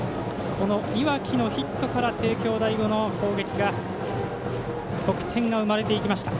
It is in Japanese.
この岩来のヒットから帝京第五の攻撃得点が生まれていきました。